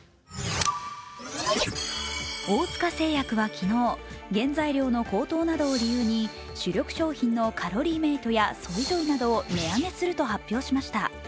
大塚製薬は昨日、原材料の高騰などを理由に主力商品のカロリーメイトやＳＯＹＪＯＹなどを値上げすると発表しました。